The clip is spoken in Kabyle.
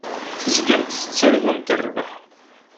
Tezgamt tettargumt rrbeḥ.